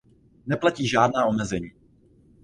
Neplatí žádná omezení.